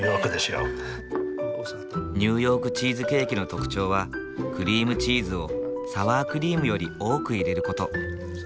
ニューヨークチーズケーキの特徴はクリームチーズをサワークリームより多く入れる事。